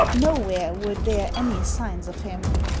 Nowhere were there any signs of him.